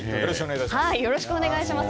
よろしくお願いします。